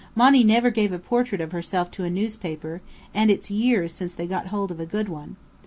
Monny never gave a portrait of herself to a newspaper, and it's years since they got hold of a good one.